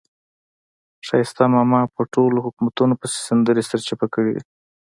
ښایسته ماما په ټولو حکومتونو پسې سندرې سرچپه کړې دي.